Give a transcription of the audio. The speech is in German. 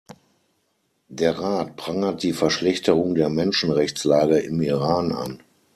Der Rat prangert die Verschlechterung der Menschenrechtslage im Iran an.